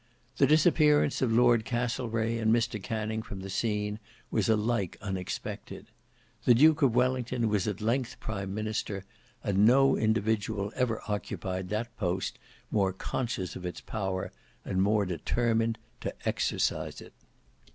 The disappearance of Lord Castlereagh and Mr Canning from the scene was alike unexpected. The Duke of Wellington was at length prime minister, and no individual ever occupied that post more conscious of its power, and more determined to exercise it.